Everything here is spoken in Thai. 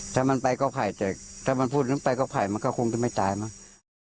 ถ้ามันไปก็ไผ่แต่ถ้ามันพูดขึ้นไปก็ไผ่มันก็คงจะไม่ตายมั้ง